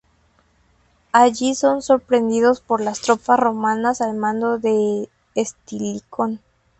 Allí son sorprendidos por las tropas romanas al mando de Estilicón.